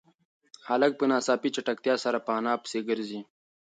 هلک په ناڅاپي چټکتیا سره په انا پسې گرځي.